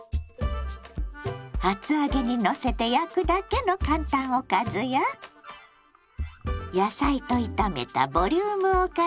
厚揚げにのせて焼くだけの簡単おかずや野菜と炒めたボリュームおかずもラクラクよ！